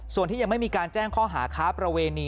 ส่วนที่ยังไม่มีการแจ้งข้อหาค้าประเวณี